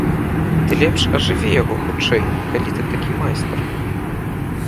Ты лепш ажыві яго хутчэй, калі ты такі майстар!